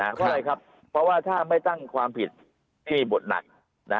นะฮะก็เลยครับเพราะว่าถ้าไม่ตั้งความผิดที่มีบทหนักนะ